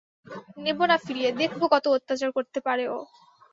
নেব না ফিরিয়ে– দেখব কত অত্যাচার করতে পারে ও!